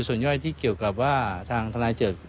ส่วนย่อยที่เกี่ยวกับว่าทางทนายเกิด